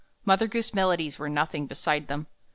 Mother Goose melodies were nothing beside them.